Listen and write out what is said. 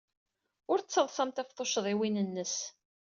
Ur ttaḍsamt ɣef tuccḍiwin-nnes.